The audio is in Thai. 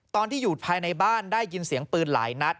ตอนที่อยู่ภายในบ้านได้ยินเสียงปืนหลายนัด